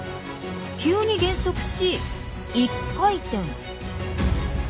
急に減速し一回転。